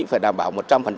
phải đảm bảo một trăm linh